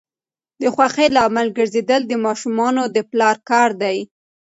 د خوښۍ لامل ګرځیدل د ماشومانو د پلار کار دی.